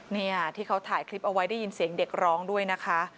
เนี่ยที่เขาถ่ายคลิปเอาไว้ได้ยินเสียงเด็กร้องด้วยนะคะ